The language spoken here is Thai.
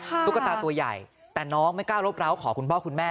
ตุ๊กตาตัวใหญ่แต่น้องไม่กล้ารบร้าวขอคุณพ่อคุณแม่